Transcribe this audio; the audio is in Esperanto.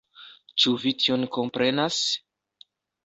Ĉu vi tion komprenas?